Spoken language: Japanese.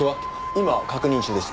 今確認中です。